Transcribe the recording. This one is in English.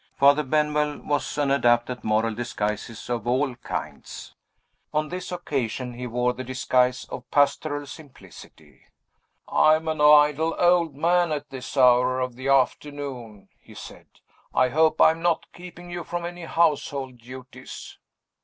Father Benwell was an adept at moral disguises of all kinds. On this occasion he wore the disguise of pastoral simplicity. "I am an idle old man at this hour of the afternoon," he said. "I hope I am not keeping you from any household duties?"